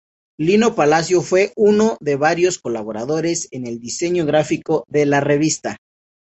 Lino Palacio fue uno de varios colaboradores en el diseño gráfico de la revista.